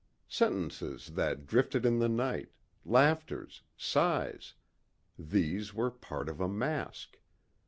Sentences that drifted in the night, laughters, sighs these were part of a mask.